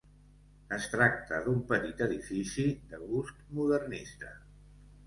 Es tracta d'un petit edifici de gust modernista.